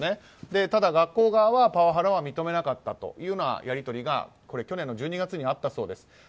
ただ、学校側はパワハラを認めなかったというようなやりとりが去年の１２月にあったそうです。